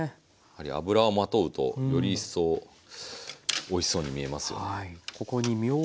やっぱり脂をまとうとより一層おいしそうに見えますよね。